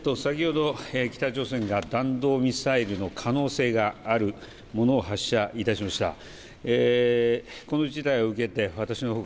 北朝鮮が弾道ミサイルの可能性があるものを発射いたしました。